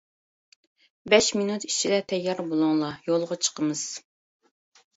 بەش مىنۇت ئىچىدە تەييار بولۇڭلار، يولغا چىقىمىز.